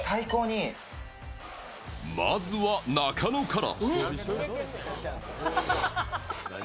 まずは中野から。